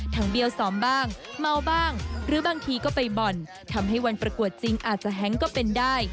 เบี้ยวซ้อมบ้างเมาบ้างหรือบางทีก็ไปบ่อนทำให้วันประกวดจริงอาจจะแฮงก็เป็นได้